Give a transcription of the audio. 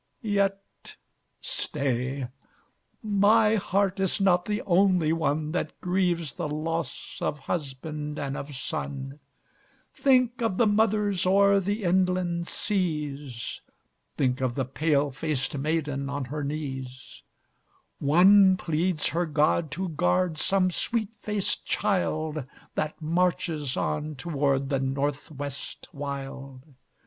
Yet stay, my heart is not the only one That grieves the loss of husband and of son; Think of the mothers o'er the inland seas; Think of the pale faced maiden on her knees; One pleads her God to guard some sweet faced child That marches on toward the North West wild.